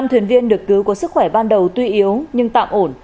năm thuyền viên được cứu có sức khỏe ban đầu tuy yếu nhưng tạm ổn